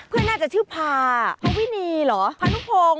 เพื่อนน่าจะชื่อภาภาวินีหรือภานุพง